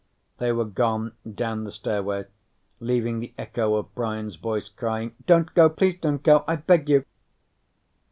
They were gone, down the stairway, leaving the echo of Brian's voice crying: "Don't go! Please don't go! I beg you!"